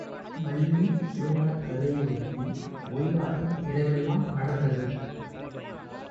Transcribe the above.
வள்ளி திருமணக் கதையையொட்டி ஒயிலாட்டம் இரவெல்லாம் நடந்தது.